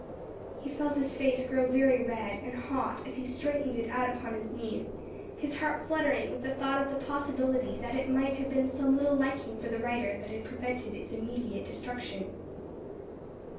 He felt his face grow very red and hot as he straightened it out upon his knees, his heart fluttering with the thought of the possibility that it might have been some little liking for the writer that had prevented its immediate destruction.